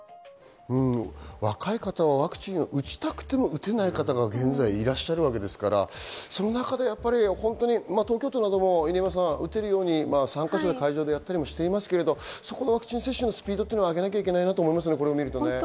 若い方はワクチンを打ちたくても打てない方が現在いらっしゃるわけですから、その中で東京都なども打てるように３か所の会場でやったりしてますけど、ワクチン接種をスピードを上げなきゃいけないなと思いますね。